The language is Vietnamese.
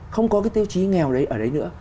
không có cái tiêu chí nghèo ở đấy nữa